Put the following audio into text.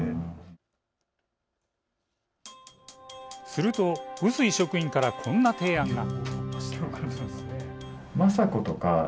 すると、臼井職員からこんな提案が。